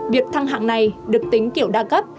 việc thăng hạng này được tính kiểu đa cấp